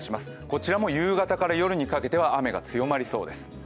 こちらも夕方から夜にかけては雨が強まりそうです。